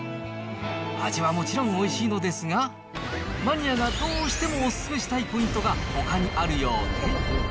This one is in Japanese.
味はもちろんおいしいのですが、マニアがどうしてもお勧めしたいポイントがほかにあるようで。